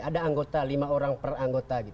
ada anggota lima orang per anggota